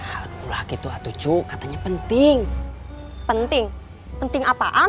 halulah gitu atuh cuk katanya penting penting penting apaan